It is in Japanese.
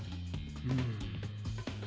うん。